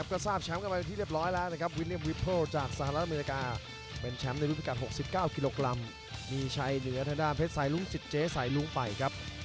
ขอตัวลาคุณผู้ชมกันไปก่อนนะครับ